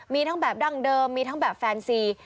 มีทั้งแบบดั้งเดิมมีทั้งแบบแฟนซี